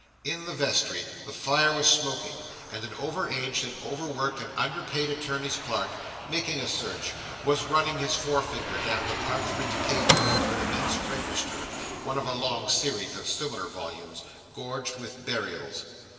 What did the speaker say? In the vestry the fire was smoking; and an over aged and over worked and under paid attorney's clerk, "making a search," was running his forefinger down the parchment pages of an immense register (one of a long series of similar volumes) gorged with burials.